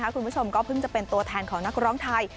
คุณผู้ชมก็เพิ่งจะเป็นตัวแทนของนักร้องไทย